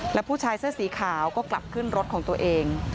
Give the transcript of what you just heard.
และผู้ชายเสื้อสีขาวก็กลับขึ้นรถของตัวเอง